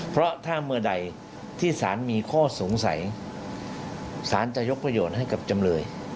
เพราะถ้าเมื่อใดที่สารมีข้อสงสัยสารจะยกประโยชน์ให้กับจำเลย